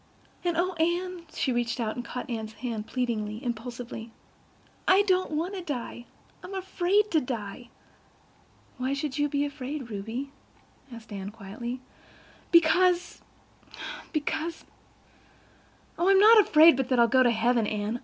And, oh, Anne"—she reached out and caught Anne's hand pleadingly, impulsively—"I don't want to die. I'm afraid to die." "Why should you be afraid, Ruby?" asked Anne quietly. "Because—because—oh, I'm not afraid but that I'll go to heaven, Anne.